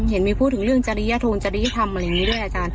เห็นมีพูดถึงเรื่องจริยธรรมจริยธรรมอะไรอย่างนี้ด้วยอาจารย์